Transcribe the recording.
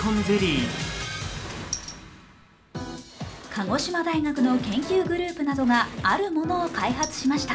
鹿児島大学の研究グループなどがあるものを開発しました。